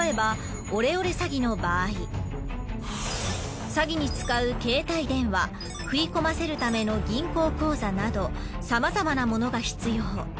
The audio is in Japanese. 例えば詐欺に使う携帯電話振り込ませるための銀行口座など様々なものが必要。